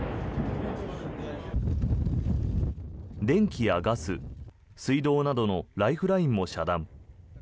電気やガス、水道などのライフラインも遮断。